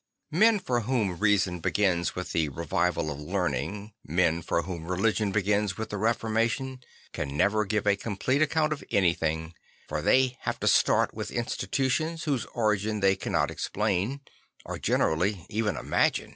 Men for whom reason begins with the Revival of Learning, men for whom religion begins with the Reformation, can never give a complete account of anything, for they have to start with institutions whose origin they cannot explain, or generally even imagine.